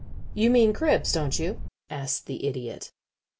"You mean cribs, don't you?" asked the Idiot.